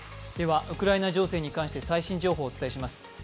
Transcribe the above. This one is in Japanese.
ウクライナ情勢に関して最新情報をお伝えします。